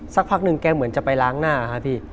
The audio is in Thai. สักพักหนึ่งแกเหมือนจะไปล้างหน้าครับพี่